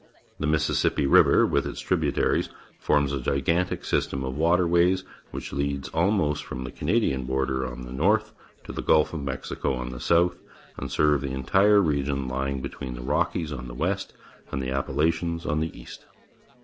The ^li^ ^ppi River , with its tributaries, forms a gigantic sj^stem of waterways, wliich lead almost from the Canadian border on tlie noi'th to the Gulf of ^Mexico on the south, and ser\'e the entire region lying between the Rockies on the west and the Appalachians on the east.